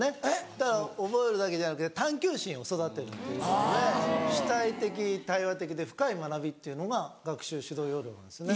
ただ覚えるだけじゃなくて探究心を育てるっていうことで主体的対話的で深い学びっていうのが学習指導要領なんですよね。